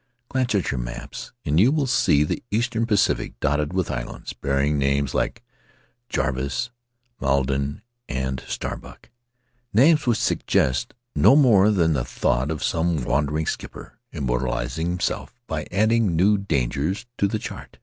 Glance at your maps and you will see the eastern Pacific dotted with islands bearing names like Jarvis, Maiden, and Starbuck — names which suggest no more than the thought of some wandering skipper, immortalizing himself by adding new dangers to the chart.